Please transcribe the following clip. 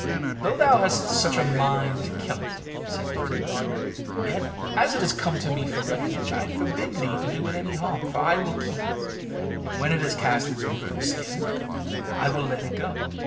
"Though thou hast such a mind to kill it," said he to the gardener, "yet, as it came to me for refuge, I forbid thee to do it any harm; for I will keep it, and when it has cast its beautiful skin I will let it go."